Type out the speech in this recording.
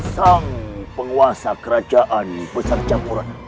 sang penguasa kerajaan besar jamuran